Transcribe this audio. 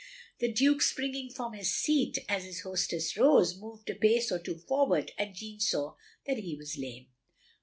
The Duke springing from his seat, as his host ess rose, moved a pace or two forward, and Jeanne saw that he was lame.